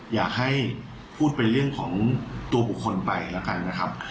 อยากให้พูดเป็นเรื่องของตัวบุคคลไปแล้วกันนะครับ